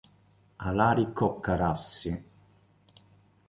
Alarico Carrassi